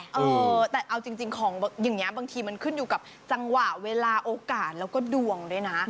เออแต่เอาจริงของอย่างนี้บางทีมันขึ้นอยู่กับจังหวะเวลาโอกาสแล้วก็ดวงด้วยนะ